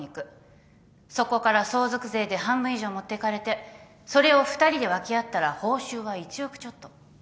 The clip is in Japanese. そこから相続税で半分以上持っていかれてそれを２人で分け合ったら報酬は１億ちょっと。